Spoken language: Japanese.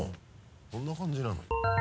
どんな感じなの？